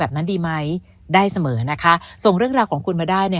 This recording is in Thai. นั้นดีไหมได้เสมอนะคะส่งเรื่องราวของคุณมาได้ใน